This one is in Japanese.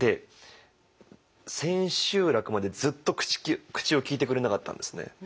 千秋楽までずっと口を利いてくれなかったんですね。